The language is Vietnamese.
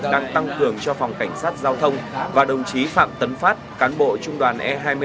đang tăng cường cho phòng cảnh sát giao thông và đồng chí phạm tấn phát cán bộ trung đoàn e hai mươi bảy